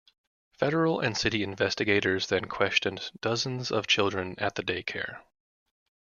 Federal and city investigators then questioned dozens of children at the day care.